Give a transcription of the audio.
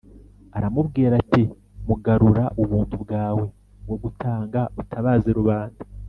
aramubwira, ati: « mugarura ubuntu bwawe bwo gutanga utabaze rubanda